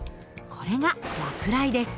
これが落雷です。